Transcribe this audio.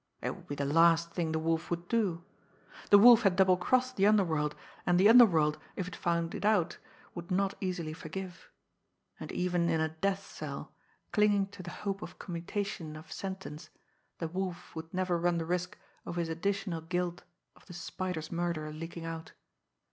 It would be the last thing the Wolf would do. The Wolf had double crossed the underworld, and the underworld, if it found it out, would not easily forgive and even in a death cell, clinging to the hope of commutation of sentence, the Wolf would never run the risk of his additional guilt of the Spider's murder leaking out.